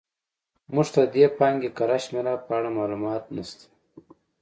موږ ته د دې پانګې کره شمېر په اړه معلومات نه شته.